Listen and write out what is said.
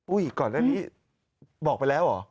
อุ้ยก่อนแล้วนี้บอกไปแล้วหรอ